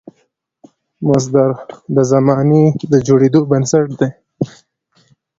مصدر د زمان د جوړېدو بنسټ دئ.